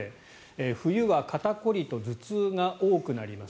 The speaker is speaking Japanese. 冬は肩凝りと頭痛が多くなります。